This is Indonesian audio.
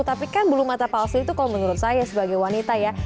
tapi kan bulu mata palsu itu kalau menurut saya sebagai wanita ya